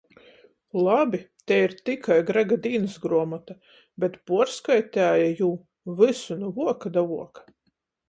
Labi, tei ir "tikai" Grega dīnysgruomota. Bet puorskaiteja jū vysu nu vuoka da vuoka.